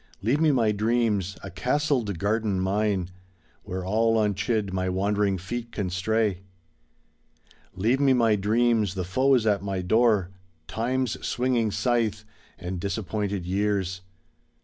Leave me my dreams, a castled garden mine — Where all unchid my wand'ring feet can stray. Leave me my dreams, the foe is at my door. Time's swinging scythe, and disappointed years.